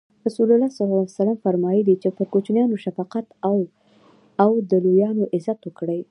رسول الله ص فرمایي: چی پر کوچنیانو شفقت او او د لویانو عزت وکړي.